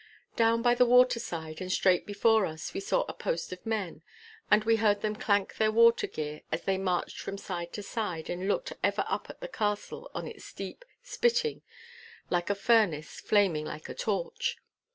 Down by the waterside and straight before us we saw a post of men, and we heard them clank their war gear as they marched from side to side and looked ever up at the castle on its steep, spitting like a furnace, flaming like a torch.